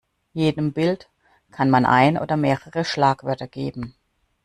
Jedem Bild kann man ein oder mehrere Schlagwörter geben.